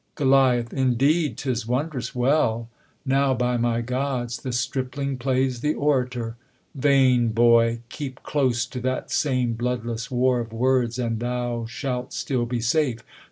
Gol, Indeed ! 'tis wondrous well ! Now, by my gods. The stripling plays the orator ! Vain boy ! Keep close to that same bloodless v/ar of words. And thou shalt still be safe.